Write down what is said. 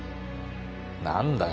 何だよ